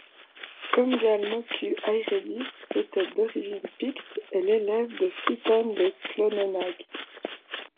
Comgall moccu Araidi, peut-être d'origine picte, est l'élève de Fintan de Clonenagh.